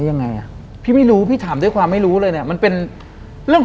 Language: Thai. หลังจากนั้นเราไม่ได้คุยกันนะคะเดินเข้าบ้านอืม